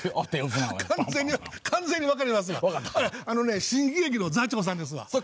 あのね新喜劇の座長さんですわ。